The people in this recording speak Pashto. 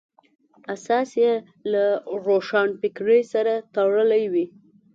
اساس یې له روښانفکرۍ سره تړلی وي.